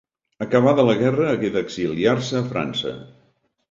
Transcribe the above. Acabada la guerra, hagué d'exiliar-se a França.